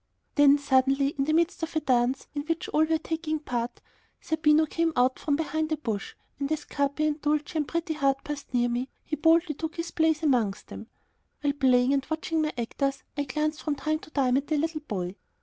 Then, suddenly, in the midst of a dance in which all were taking part, Zerbino came out from behind a bush, and as Capi and Dulcie and Pretty Heart passed near him, he boldly took his place amongst them. While playing and watching my actors, I glanced from time to time at the little boy.